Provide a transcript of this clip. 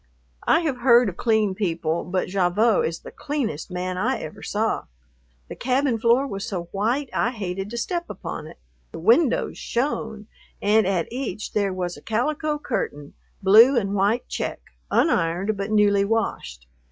I have heard of clean people, but Gavotte is the cleanest man I ever saw. The cabin floor was so white I hated to step upon it. The windows shone, and at each there was a calico curtain, blue and white check, unironed but newly washed.